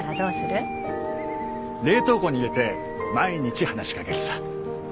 冷凍庫に入れて毎日話しかけるさ。